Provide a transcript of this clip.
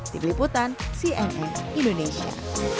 di beliputan cnn indonesia